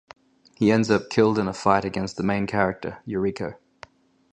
He ends up killed in a fight against the main character, Eurico.